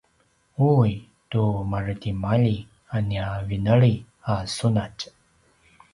uwi tu maretimalji a nia vineli a sunatj